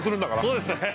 そうですよね。